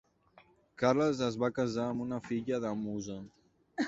Carles es va casar amb una filla de Musa.